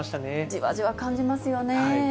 じわじわ感じますよね。